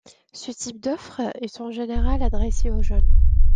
Ce type d'offre est en général adressé aux jeunes.